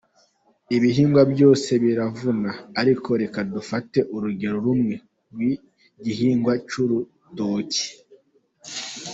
Ibihingwa byose biravuna, ariko reka dufate urugero rumwe rw’igihingwa cy’urutoki.